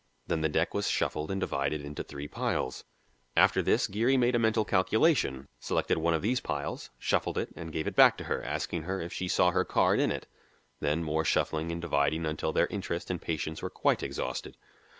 Then the deck was shuffled and divided into three piles. After this Geary made a mental calculation, selected one of these piles, shuffled it, and gave it back to her, asking her if she saw her card in it; then more shuffling and dividing until their interest and patience were quite exhausted.